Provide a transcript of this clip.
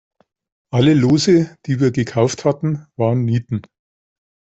Alle Lose, die wir gekauft hatten, waren Nieten.